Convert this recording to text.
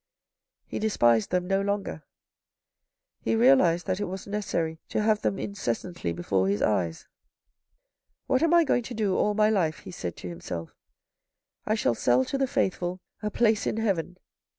" He despised them no longer. He realised that it was necessary to have them incessantly before his eyes. " What am I going to do all my life," he said to himself. " I shall sell to the faithful a place in heaven.